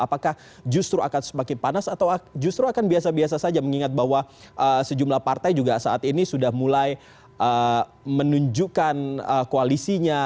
apakah justru akan semakin panas atau justru akan biasa biasa saja mengingat bahwa sejumlah partai juga saat ini sudah mulai menunjukkan koalisinya